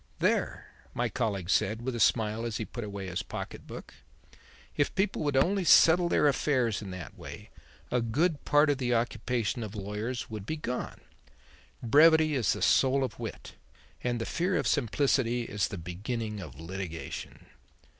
"There," my colleague said with a smile as he put away his pocket book, "if people would only settle their affairs in that way, a good part of the occupation of lawyers would be gone. Brevity is the soul of wit; and the fear of simplicity is the beginning of litigation."